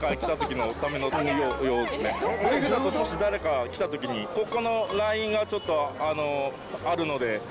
もし誰か来た時にここのラインがちょっとあるので。